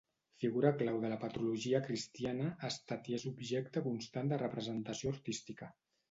Figura clau de la patrologia cristiana ha estat i és objecte constant de representació artística.